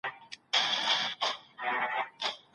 تاسو مه هېروئ چې پوهه رڼا ده.